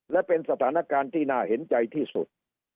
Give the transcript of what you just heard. และเป็นสถานการณ์ที่น่าเห็นใจที่สุด